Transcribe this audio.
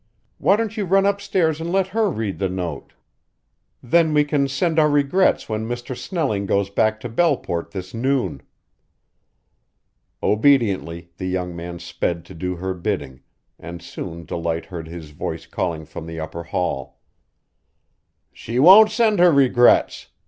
Why don't you run upstairs and let her read the note? Then we can send our regrets when Mr. Snelling goes back to Belleport this noon." Obediently the young man sped to do her bidding, and soon Delight heard his voice calling from the upper hall. "She won't send her regrets.